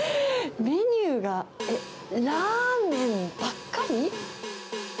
メニューがラーメンばっかり？